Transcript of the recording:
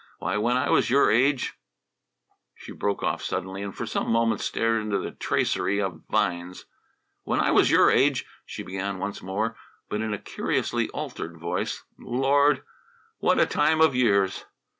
"Why, when I was your age " She broke off suddenly, and for some moments stared into the tracery of vines. "When I was your age," she began once more, but in a curiously altered voice "Lord! What a time of years!"